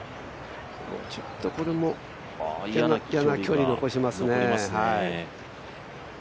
ちょっとこれも嫌な距離、残しますね。